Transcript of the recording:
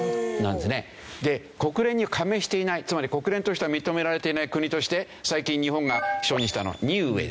で国連に加盟していないつまり国連としては認められていない国として最近日本が承認したのはニウエですね。